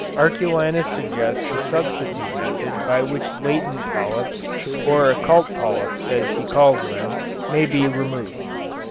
Arculanus suggests a substitute method by which latent polyps or occult polyps as he calls them may be removed.